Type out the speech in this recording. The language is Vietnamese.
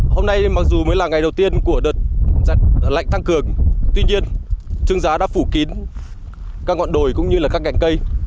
hôm nay mặc dù mới là ngày đầu tiên của đợt lạnh tăng cường tuy nhiên trương giá đã phủ kín các ngọn đồi cũng như các ngành cây